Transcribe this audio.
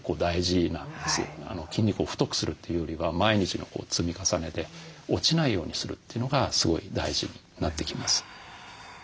筋肉を太くするというよりは毎日の積み重ねで落ちないようにするというのがすごい大事になってきます。